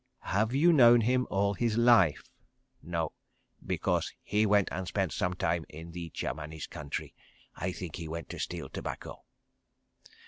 "Have you known him all his life?" "No, because he went and spent some time in the Germanis' country. I think he went to steal tobacco."